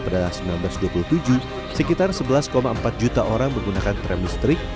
pada tahun seribu sembilan ratus dua puluh tujuh sekitar sebelas empat juta orang menggunakan tram listrik